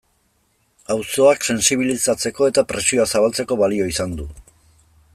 Auzoak sentsibilizatzeko eta presioa zabaltzeko balio izan du.